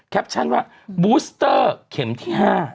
ชั่นว่าบูสเตอร์เข็มที่๕